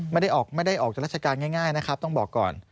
ไม่ได้ออกจากราชการง่ายนะครับต้องบอกก่อน